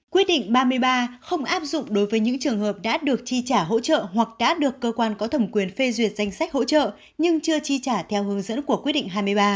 quyết định ba mươi ba không áp dụng đối với những trường hợp đã được chi trả hỗ trợ hoặc đã được cơ quan có thẩm quyền phê duyệt danh sách hỗ trợ nhưng chưa chi trả theo hướng dẫn của quyết định hai mươi ba